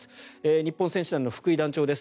日本選手団の福井団長です。